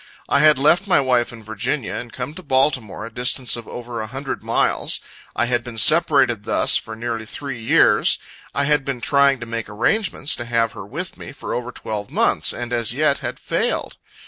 I had left my wife in Virginia, and come to Baltimore, a distance of over a hundred miles; I had been separated thus for nearly three years; I had been trying to make arrangements to have her with me, for over twelve months, and as yet had failed.